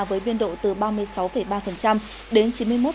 với biên độ từ ba mươi sáu ba đến chín mươi một